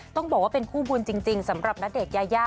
ต้องบอกว่าเป็นคู่บุญจริงสำหรับณเดชน์ยายา